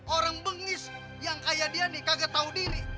orang bengis yang kayak dia nih kagak tahu diri